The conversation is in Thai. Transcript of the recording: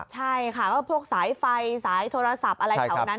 ใช่ค่ะก็พวกสายไฟสายโทรศัพท์อะไรแถวนั้น